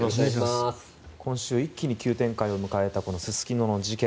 今週一気に急展開を迎えたすすきのの事件。